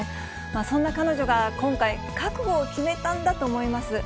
そんな彼女が、今回、覚悟を決めたんだと思います。